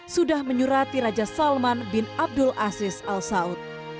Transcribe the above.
sudah menyurati raja salman bin abdul aziz al saud